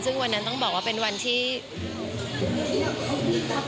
ซึ่งวันนั้นต้องบอกว่าเป็นวันที่